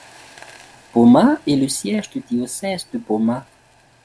Boma est le siège du diocèse de Boma.